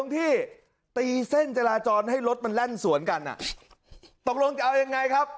ที่ตีเส้นจราจรให้รถมันแล่นสวนกันอ่ะตกลงจะเอายังไงครับ